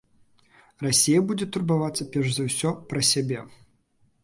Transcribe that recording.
Расія будзе турбавацца, перш за ўсё, пра сябе.